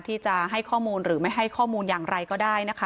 ที่จะให้ข้อมูลหรือไม่ให้ข้อมูลอย่างไรก็ได้นะคะ